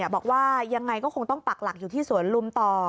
บอกว่ายังไงก็คงต้องปักหลักอยู่ที่สวนลุมต่อ